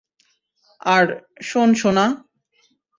আর, শোন সোনা!